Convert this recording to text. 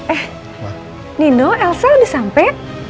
eh nino elsa udah sampai